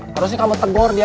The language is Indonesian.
harusnya kamu tegur dia